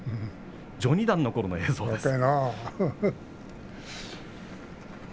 序二段のころの映像です。